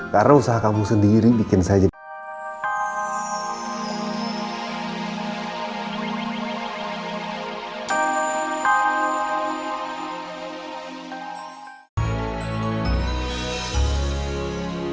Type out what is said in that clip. karena usaha kamu sendiri bikin saya jemput